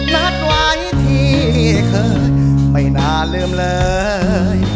นัดไว้ที่เคยไม่น่าลืมเลย